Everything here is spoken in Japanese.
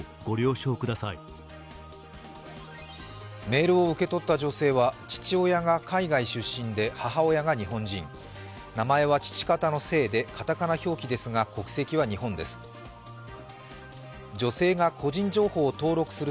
メールを受け取った女性は、父親が海外出身で母親が日本人、名前は父方の姓で片仮名表記ですが国籍は日本です。